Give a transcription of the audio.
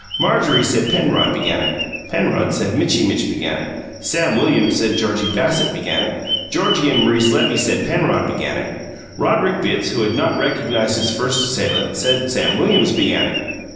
Marjorie said Penrod began it; Penrod said Mitchy Mitch began it; Sam Williams said Georgie Bassett began it; Georgie and Maurice Levy said Penrod began it; Roderick Bitts, who had not recognized his first assailant, said Sam Williams began it.